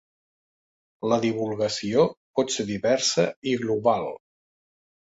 La divulgació pot ser diversa i global.